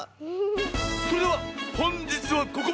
それではほんじつはここまで。